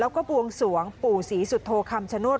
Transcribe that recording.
แล้วก็บวงสวงปู่ศรีสุโธคำชโนธ